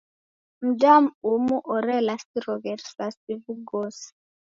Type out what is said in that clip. Mdaw'ana umu orelasiroghe risasi w'ugosi.